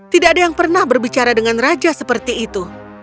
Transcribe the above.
tidak ada yang pernah berbicara dengan raja seperti itu